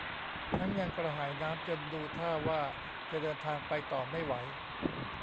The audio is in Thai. ทั้งยังกระหายน้ำจนดูท่าว่าจะเดินทางไปต่อไม่ไหว